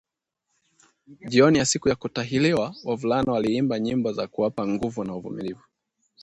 Jioni ya siku ya kutahiriwa, wavulana waliimba nyimbo za kuwapa nguvu na uvumilivu